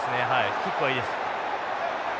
キックはいいです。